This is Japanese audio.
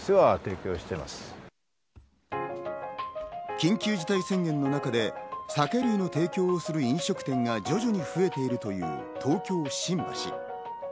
緊急事態宣言の中で酒類を提供する飲食店が徐々に増えているという東京・新橋。